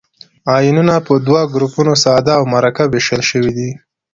آیونونه په دوه ګروپو ساده او مرکب ویشل شوي دي.